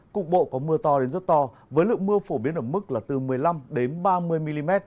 cục bộ có mưa to đến rất to với lượng mưa phổ biến ở mức là từ một mươi năm đến ba mươi mm